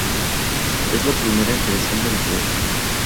Es la primera en creación de empleos.